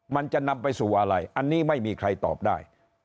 มันจะนำไปสู่อะไรอันนี้ไม่มีใครตอบได้